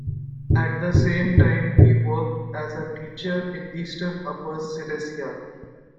At the same time, he worked as a teacher in eastern Upper Silesia.